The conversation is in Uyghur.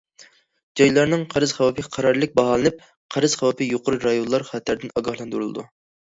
جايلارنىڭ قەرز خەۋپى قەرەللىك باھالىنىپ، قەرز خەۋپى يۇقىرى رايونلار خەتەردىن ئاگاھلاندۇرۇلىدۇ.